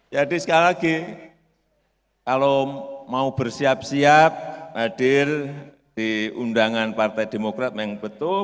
jadi sekali lagi kalau mau bersiap siap hadir di undangan partai demokrat yang betul